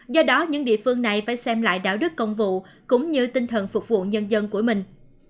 do đó những địa phương này phải xem lại đạo đức công vụ cũng như tinh thần phục vụ nhân dân của mình